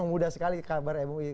mudah sekali kabar mui